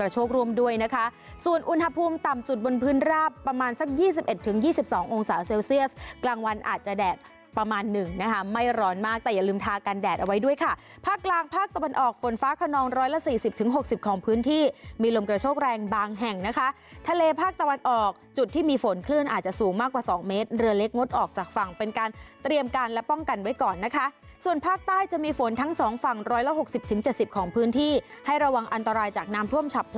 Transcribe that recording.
จะพากันแดดเอาไว้ด้วยค่ะภาคกลางภาคตะวันออกฝนฟ้าขนองร้อยละ๔๐๖๐ของพื้นที่มีลมกระโชคแรงบางแห่งนะคะทะเลภาคตะวันออกจุดที่มีฝนคลื่นอาจจะสูงมากกว่า๒เมตรเรือเล็กงดออกจากฝั่งเป็นการเตรียมการและป้องกันไว้ก่อนนะคะส่วนภาคใต้จะมีฝนทั้งสองฝั่งร้อยละ๖๐๗๐ของพื้นที่ให้ระวั